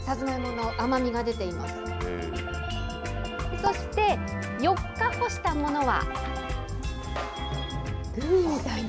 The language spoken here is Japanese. そして、４日干したものは。